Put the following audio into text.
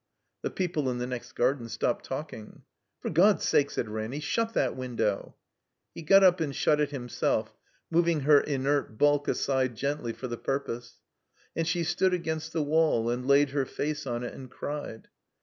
The people in the next garden stopped talking. "For God's sake," said Ranny, "shut that win dow." He got up and shut it himself, moving her inert bulk aside gently for the purpose. And she stood against the wall and laid her face on it and cried.